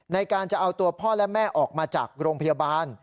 ในการจะเอาตัวพ่อและแม่ออกมาจากโรงพยาบาล